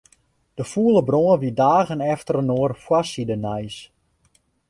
De fûle brân wie dagen efterinoar foarsidenijs.